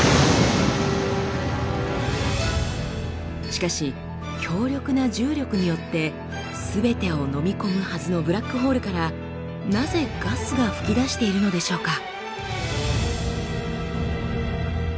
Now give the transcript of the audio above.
しかし強力な重力によってすべてをのみ込むはずのブラックホールからなぜガスが噴き出しているのでしょうか？